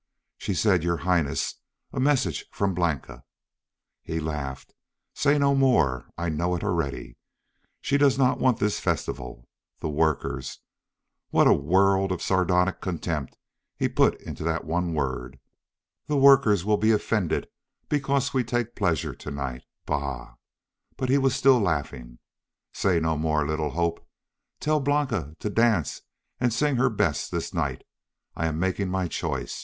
She said, "Your Highness, a message from Blanca." He laughed. "Say no more! I know it already! She does not want this festival. The workers," what a world of sardonic contempt he put into that one word! "the workers will be offended because we take pleasure to night. Bah!" But he was still laughing. "Say no more, little Hope. Tell Blanca to dance and sing her best this night. I am making my choice.